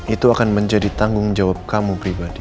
itu akan menjadi tanggung jawab kamu pribadi